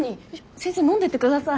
先生飲んでってください。